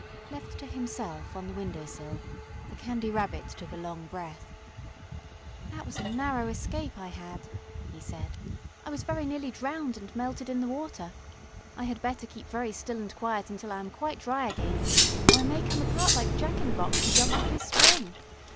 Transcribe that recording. Left to himself on the window sill, the Candy Rabbit took a long breath. "That was a narrow escape I had," he said. "I was very nearly drowned and melted in the water. I had better keep very still and quiet until I am quite dry again, or I may come apart like the Jack in the Box who jumped off his spring.